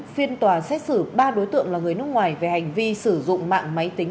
phiên tòa xét xử ba đối tượng là người nước ngoài về hành vi sử dụng mạng máy tính